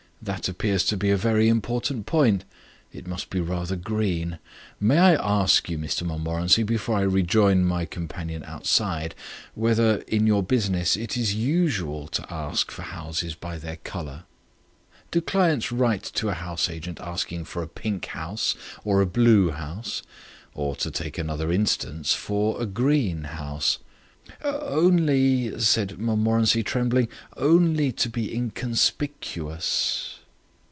"That appears to be a very important point. It must be rather green. May I ask you, Mr Montmorency, before I rejoin my companion outside, whether, in your business, it is usual to ask for houses by their colour? Do clients write to a house agent asking for a pink house or a blue house? Or, to take another instance, for a green house?" "Only," said Montmorency, trembling, "only to be inconspicuous."